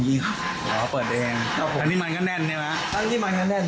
เปิดเองครับผมทางที่มันก็แน่นใช่ไหมทางที่มันก็แน่น